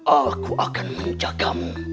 aku akan menjagamu